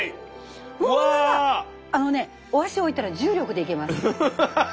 あのねお箸置いたら重力でいけます。